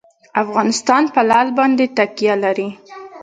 افغانستان په لعل باندې تکیه لري.